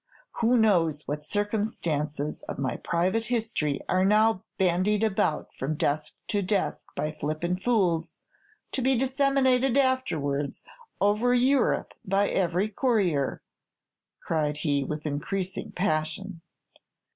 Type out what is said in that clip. "Who knows what circumstances of my private history are now bandied about from desk to desk by flippant fools, to be disseminated afterwards over Europe by every courier?" cried he, with increasing passion.